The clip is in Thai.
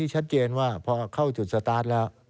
ชัดเจนว่าพอเข้าจุดสตาร์ทแล้ว